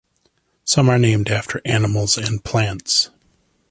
Some are named after animals and plants.